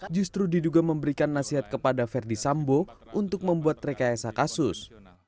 justru diduga memberikan nasihat kepada verdi sambo untuk membuat rekayasa kasus